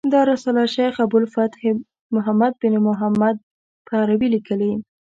دا رساله شیخ ابو الفتح محمد بن محمد په عربي لیکلې.